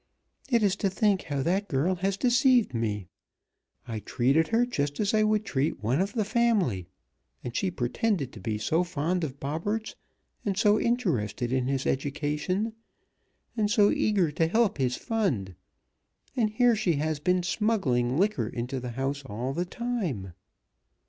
It is to think how that girl has deceived me. I treated her just as I would treat one of the family, and she pretended to be so fond of Bobberts, and so interested in his education, and so eager to help his fund, and here she has been smuggling liquor into the house all the time."